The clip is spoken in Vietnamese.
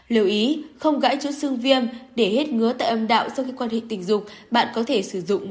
lưu ý không gãi chút sương viêm để hết ngứa tại âm đạo sau khi quan hệ tình dục